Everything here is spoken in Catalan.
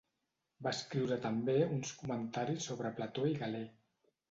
Va escriure també uns comentaris sobre Plató i Galè.